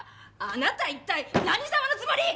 あなた一体何様のつもり！？